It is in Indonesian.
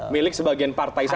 milik sebagian partai saja